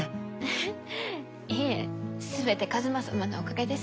えっいえ全て一馬様のおかげです。